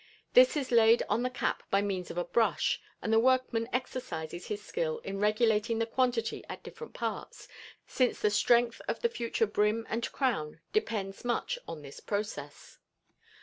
This is laid on the cap by means of a brush, and the workman exercises his skill in regulating the quantity at different parts, since the strength of the future brim and crown depends much on this process.